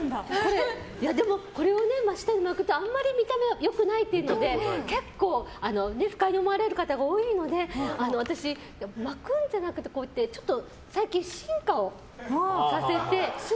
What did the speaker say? でも、舌を巻くのはあんまり見た目は良くないので結構不快に思われる方が多いので私、巻くんじゃなくて最近、進化をさせて。